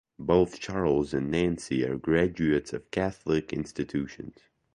Both Charles and Nancy are graduates of Catholic institutions.